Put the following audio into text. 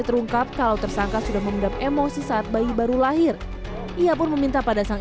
terungkap kalau tersangka sudah memendam emosi saat bayi baru lahir ia pun meminta pada sang